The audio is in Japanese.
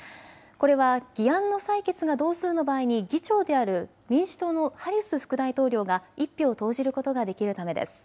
これは議案の採決が同数の場合に議長である民主党のハリス副大統領が１票を投じることができるためです。